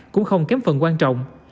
cũng không kém phần quan trọng